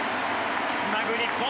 つなぐ日本。